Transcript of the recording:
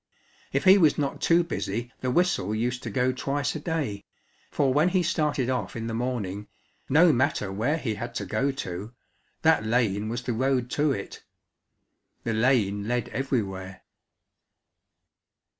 If he was not too busy the whistle used to go twice a day, for when he started off in the morning, no matter where he had to go to, that lane was the road to it. The lane led everywhere.